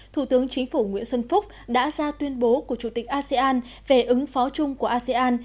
thủ tướng chính phủ nguyễn xuân phúc đã ra tuyên bố của chủ tịch asean về ứng phó chung của asean